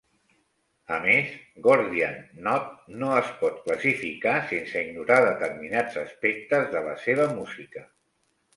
A més, Gordian Knot no es pot classificar sense ignorar determinats aspectes de la seva música.